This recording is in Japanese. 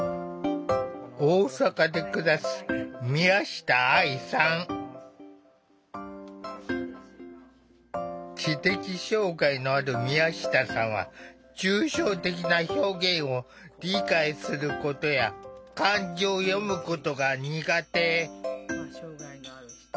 大阪で暮らす知的障害のある宮下さんは抽象的な表現を理解することや漢字を読むことが苦手。